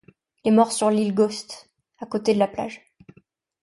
Il est mort sur l'île Ghost, à côté de la plage.